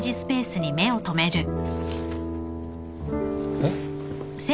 えっ？